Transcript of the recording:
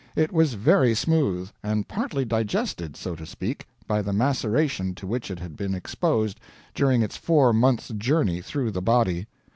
It was very smooth, and partly digested, so to speak, by the maceration to which it had been exposed during its four months' journey through the body.